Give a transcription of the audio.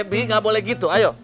debi gak boleh gitu ayo